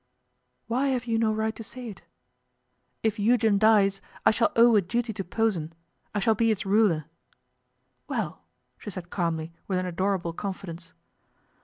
'Why have you no right to say it?' 'If Eugen dies, I shall owe a duty to Posen I shall be its ruler.' 'Well!' she said calmly, with an adorable confidence.